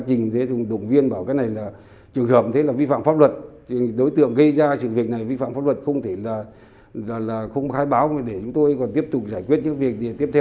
truyện động viên rỗ rành nhưng cháu bé vẫn không thể kể về ngọn ngành sự việc